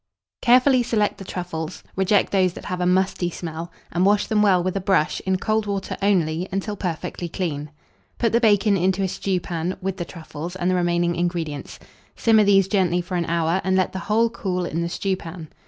Mode. Carefully select the truffles, reject those that have a musty smell, and wash them well with a brush, in cold water only, until perfectly clean. Put the bacon into a stewpan, with the truffles and the remaining ingredients; simmer these gently for an hour, and let the whole cool in the stewpan.